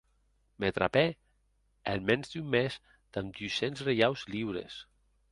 Me trapè, en mens d'un mes, damb dus cents reiaus liures.